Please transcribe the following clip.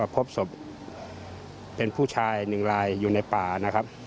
พบศพเป็นผู้ชายหนึ่งลายอยู่ในป่านะครับ